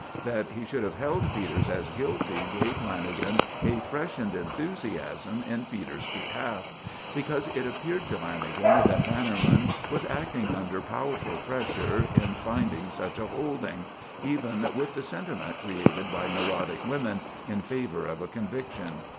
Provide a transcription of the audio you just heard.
That he should have held Peters as guilty gave Lanagan a freshened enthusiasm in Peters' behalf; because it appeared to Lanagan that Bannerman was acting under powerful pressure in finding such a holding, even with the sentiment created by neurotic women in favour of a conviction.